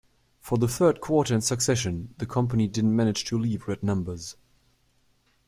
For the third quarter in succession, the company didn't manage to leave red numbers.